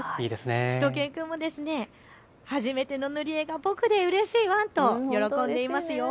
しゅと犬くんも初めての塗り絵が僕でうれしいワンと喜んでいますよ。